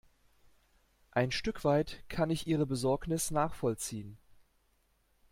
Ein Stück weit kann ich ihre Besorgnis nachvollziehen.